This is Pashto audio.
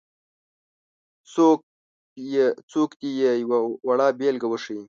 څوک دې یې یوه وړه بېلګه وښيي.